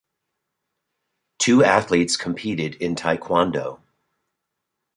Two athletes competed in Taekwondo.